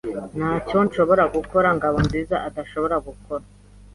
Ntacyo nshobora gukora Ngabonziza adashobora gukora.